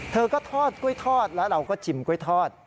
เธอก็ทอดกล้วยทอดแล้วเราก็ชิมกล้วยทอด